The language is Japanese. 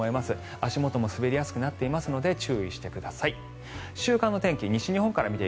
足元も滑りやすくなっていますので注意してください。